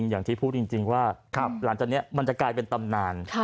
อย่างที่พูดจริงว่าหลังจากนี้มันจะกลายเป็นตำนาน